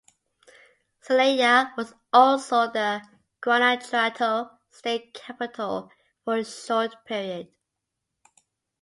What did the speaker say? Celaya was also the Guanajuato state capital for a short period.